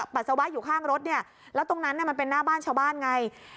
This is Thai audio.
ปัสสาวะอยู่ข้างรถเนี่ยแล้วตรงนั้นมันเป็นหน้าบ้านชาวบ้านไง